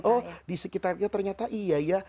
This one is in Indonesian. oh di sekitar kita ternyata iya ya